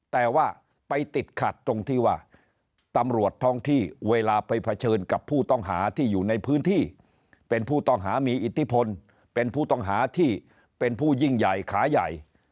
แต่ว่าไปติดขัดตรงที่ว่าตำรวจท้องที่เวลาไปเผชิญกับผู้ต้องหาที่อยู่ในพื้นที่เป็นผู้ต้องหามีอิทธิพลเป็นผู้ต้องหาที่เป็นผู้ยิ่งใหญ่ขาใหญ่